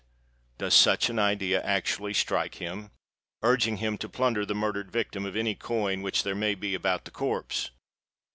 —does such an idea actually strike him?—urging him to plunder the murdered victim of any coin which there may be about the corpse!